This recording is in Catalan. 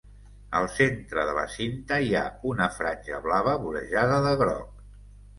Al centre de la cinta hi ha una franja blava vorejada de groc.